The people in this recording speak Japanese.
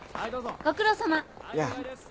ご苦労さま。やぁ。